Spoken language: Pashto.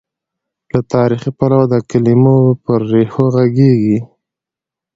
له تاریخي، پلوه د کلمو پر ریښو غږېږي.